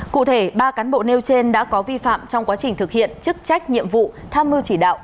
cụ thể ba cán bộ nêu trên đã có vi phạm trong quá trình thực hiện chức trách nhiệm vụ tham mưu chỉ đạo